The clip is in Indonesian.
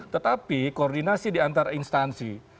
tetapi koordinasi diantara instansi